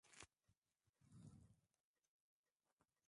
mia tisa arobaini na nne Wastani wa nyuzi joto ni sentigredi mia mbili sitini